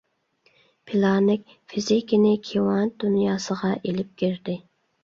پىلانىك فىزىكىنى كىۋانت دۇنياسىغا ئېلىپ كىردى.